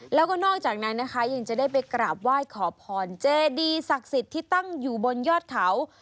แล้วก็นอกจากนั้นนะคะยังจะได้ไปกราบไหว้ขอพรเจดีศักดิ์สิทธิ์ที่ตั้งอยู่บนยอดเขา